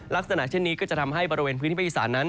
ลักษณะเช่นนี้ก็จะทำให้บริเวณพื้นที่ภาคอีสานนั้น